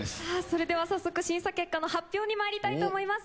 早速審査結果の発表にまいりたいと思います。